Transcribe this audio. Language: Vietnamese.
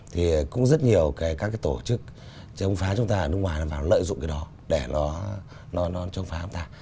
thì cũng rất nhiều các cái tổ chức chống phá chúng ta ở nước ngoài làm vào lợi dụng cái đó để nó chống phá chúng ta